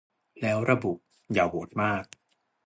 แล้วระบุ 'อย่าโหวตมาก